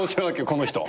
この人。